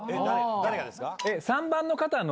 誰がですか？